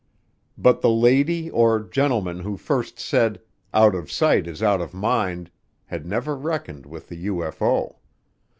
But the lady, or gentleman, who first said, "Out of sight is out of mind," had never reckoned with the UFO.